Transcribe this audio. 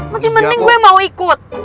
mesti mesti gue yang mau ikut